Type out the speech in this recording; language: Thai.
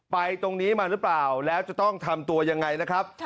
ตรงนี้มาหรือเปล่าแล้วจะต้องทำตัวยังไงนะครับ